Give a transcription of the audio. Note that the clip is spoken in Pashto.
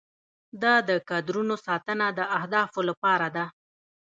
دا د کادرونو ساتنه د اهدافو لپاره ده.